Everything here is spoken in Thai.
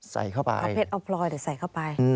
ใส่เข้าไปอัพเพชรอพลอยเดี๋ยวใส่เข้าไป